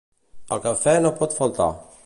El cafè no pot faltar.